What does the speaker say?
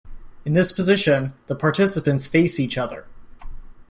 In this position, the participants face each other.